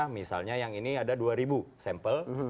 misalnya yang ini ada dua ribu sampel